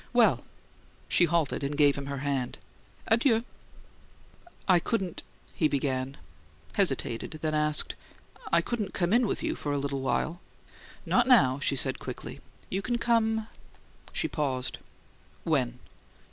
Well!" She halted, and gave him her hand. "Adieu!" "I couldn't," he began; hesitated, then asked: "I couldn't come in with you for a little while?" "Not now," she said, quickly. "You can come " She paused. "When?"